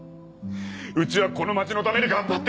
うちはこの町のために頑張ってきたのに！